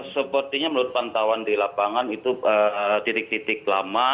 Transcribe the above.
sepertinya menurut pantauan di lapangan itu titik titik lama